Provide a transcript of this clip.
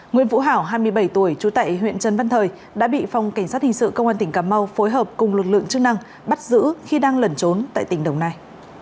nguyễn vũ hảo hai mươi bảy tuổi trú tại huyện trần văn thời đã bị phòng cảnh sát hình sự công an tỉnh cà mau phối hợp cùng lực lượng chức năng bắt giữ khi đang lẩn trốn tại tỉnh đồng nai